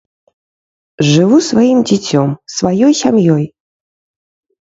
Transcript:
Жыву сваім дзіцём, сваёй сям'ёй.